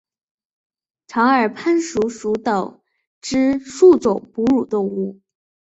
长耳攀鼠属等之数种哺乳动物。